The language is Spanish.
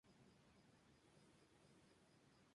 Fue autor de un ensayo sobre la "Rusia nacional campesina".